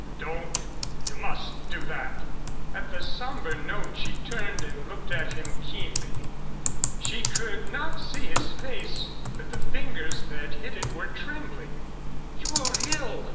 "Don't! You mustn't do that!" At the somber note she turned and looked at him keenly. She could not see his face, but the fingers that hid it were trembling. "You're ill!"